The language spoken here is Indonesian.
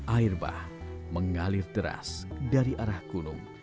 air bah mengalir deras dari arah gunung